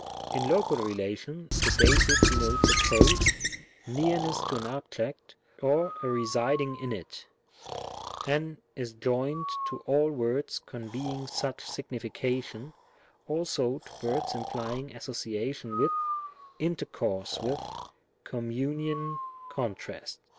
In Local relation, the Dative denotes approach, nearness to an object, or a residing in it — and is joined to all words conveying such signification, also to words implying association with, intercourse with, communion, contrast.